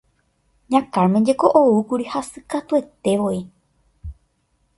Ña Carmen jeko oúkuri hasykatuetévoi.